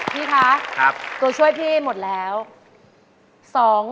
พี่คะตัวช่วยพี่หมดแล้ว